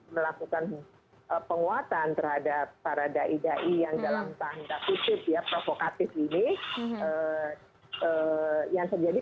melakukan penguatan terhadap para daidai yang dalam tahap kusip ya provokatif ini yang terjadi